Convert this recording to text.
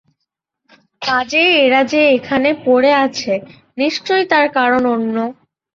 কাজেই এরা যে এখানে পড়ে আছে, নিশ্চয়ই তার কারণ অন্য।